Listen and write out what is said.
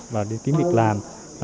và đi kiếm việc làm